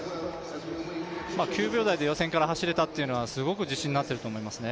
９秒台で予選から走れたというのは、自信になると思います。